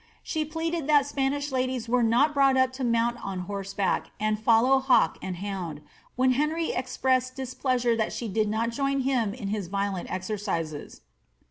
She pleaded that Spanish ladies were not brought up to mount on horseback and follow hawk and hound, whea Henry expressed displeasure that she did not join him in his violeat ex ercises.